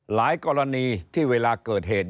กรณีที่เวลาเกิดเหตุ